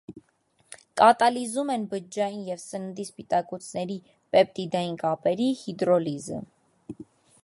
Կատալիզում են բջջային և սննդի սպիտակուցների պեպտիդային կապերի հիդրոլիզը։